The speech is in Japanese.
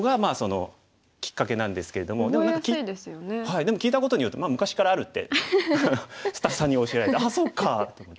でも聞いたことによって昔からあるってスタッフさんに教えられて「ああそうか」って思って。